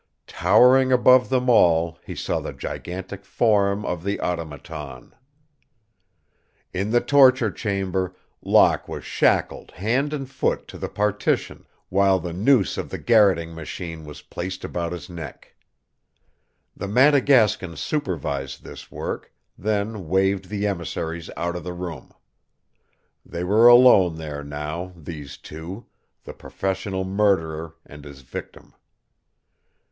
Towering above them all, he saw the gigantic form of the Automaton. In the torture chamber Locke was shackled hand and foot to the partition, while the noose of the garroting machine was placed about his neck. The Madagascan supervised this work, then waved the emissaries out of the room. They were alone there now, these two the professional murderer and his victim.